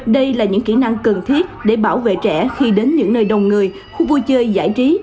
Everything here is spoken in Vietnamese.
đây là những kỹ năng cần thiết để bảo vệ trẻ khi đến những nơi đông người khu vui chơi giải trí